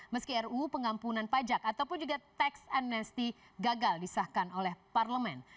meski ruu pengampunan pajak ataupun juga tax amnesty gagal disahkan oleh parlemen